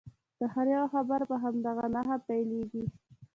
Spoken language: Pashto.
د هر یوه خبره په همدغه نښه پیلیږي.